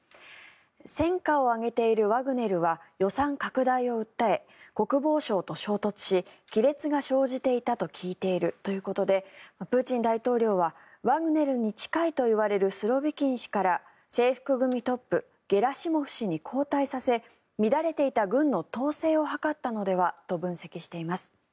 戦果を上げているワグネルは予算拡大を訴え国防省と衝突し亀裂が生じていたと聞いているということでプーチン大統領はワグネルに近いといわれるスロビキン氏から制服組トップ、ゲラシモフ氏に後退させ見られていた軍の統制を図ったのではと分析しています。